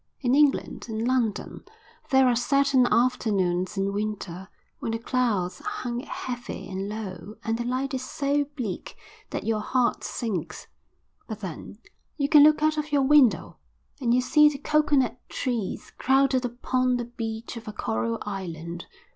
In England, in London, there are certain afternoons in winter when the clouds hang heavy and low and the light is so bleak that your heart sinks, but then you can look out of your window, and you see the coconut trees crowded upon the beach of a coral island.